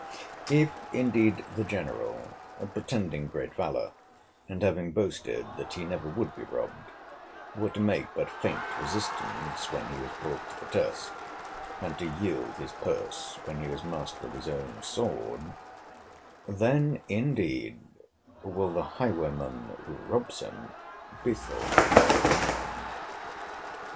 —If indeed the general, pretending great valour, and having boasted that he never would be robbed, were to make but faint resistance when he was brought to the test, and to yield his purse when he was master of his own sword, then indeed will the highwayman who robs him be thought the braver man.